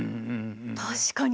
確かに。